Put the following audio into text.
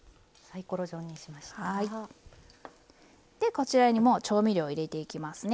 こちらにも調味料を入れていきますね。